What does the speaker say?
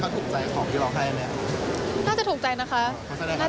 พี่เค้าถูกใจของพี่รองใก่มั้ย